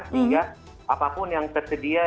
sehingga apapun yang tersedia